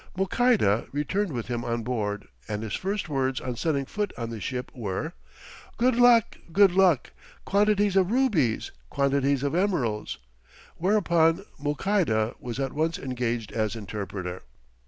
Mouçaïda returned with him on board, and his first words on setting foot on the ship were "Good luck! good luck! quantities of rubies, quantities of emeralds!" Whereupon, Mouçaïda was at once engaged as interpreter.